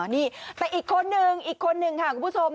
นี่แต่อีกคนนึงอีกคนนึงค่ะคุณผู้ชม